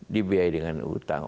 dibiayai dengan utang